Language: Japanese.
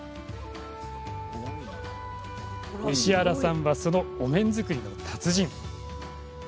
石原さんはそのお面作りの達人。